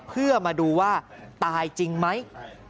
เพื่อมาดูว่าตายจริงไหม